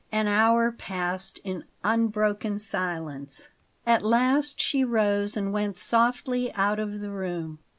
An hour passed in unbroken silence. At last she rose and went softly out of the room.